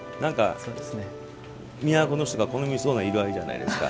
都の人が好みそうな色合いじゃないですか。